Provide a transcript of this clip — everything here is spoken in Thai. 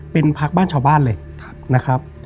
เป็นพักบ้านชาวบ้านเลยนะครับ